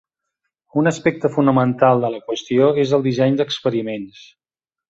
Un aspecte fonamental de la qüestió és el disseny d"experiments.